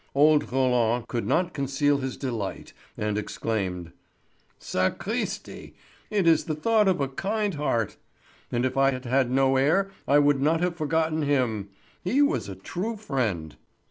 Old Roland could not conceal his delight and exclaimed: "Sacristi! It is the thought of a kind heart. And if I had had no heir I would not have forgotten him; he was a true friend."